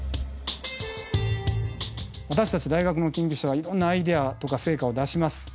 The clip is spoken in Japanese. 私たち大学の研究者はいろんなアイデアとか成果を出します。